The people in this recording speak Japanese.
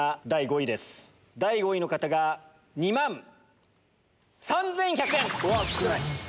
第５位の方が２万３１００円。